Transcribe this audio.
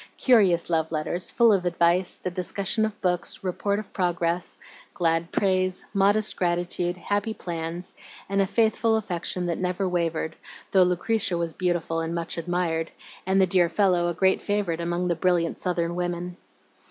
Curious love letters, full of advice, the discussion of books, report of progress, glad praise, modest gratitude, happy plans and a faithful affection that never wavered, though Lucretia was beautiful and much admired, and the dear fellow a great favorite among the brilliant Southern women.